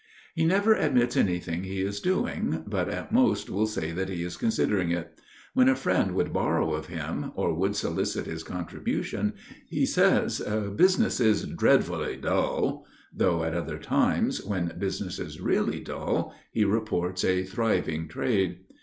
He never admits anything he is doing, but at most will say that he is considering it. When a friend would borrow of him, or would solicit his contribution, he says "Business is dreadfully dull"; though at other times, when business is really dull, he reports a thriving trade.